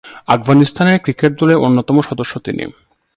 Afghanistan cricket দলের অন্যতম সদস্য তিনি।